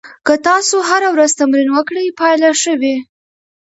که تاسو هره ورځ تمرین وکړئ، پایله ښه وي.